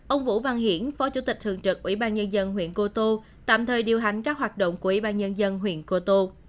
ông vũ văn hiển phó chủ tịch thường trực ủy ban nhân dân huyện cô tô tạm thời điều hành các hoạt động của ủy ban nhân dân huyện cô tô